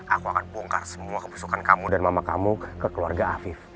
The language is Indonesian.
aku akan bongkar semua kepusukan kamu dan mama kamu ke keluarga afif